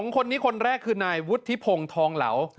คนนี้คนแรกคือนายวุฒิพงศ์ทองเหลา